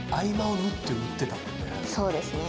そうですね。